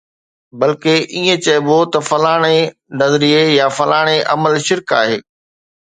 بلڪ ائين چئبو ته فلاڻي نظريي يا فلاڻي عمل شرڪ آهي.